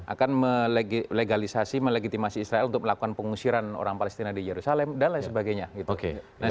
akan melegalisasi melegitimasi israel untuk melakukan pengusiran orang palestina di yerusalem dan lain sebagainya